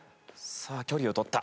さあ距離をとった。